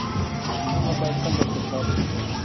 زړونه باید څنګه خوشحاله شي؟